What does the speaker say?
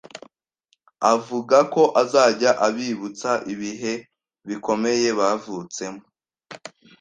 avuga ko azajya abibutsa ibihe bikomeye bavutsemo.